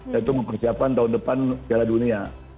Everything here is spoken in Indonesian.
yaitu mempersiapkan tahun depan piala dunia